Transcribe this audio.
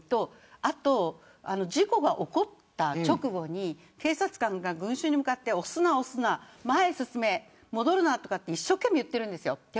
あと、事故が起こった直後に警察官が群衆に向かって押すな、前に進め、戻るなとか一生懸命言っているんです。